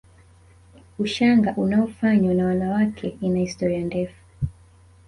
Ushanga unaofanywa na wanawake ina historia ndefu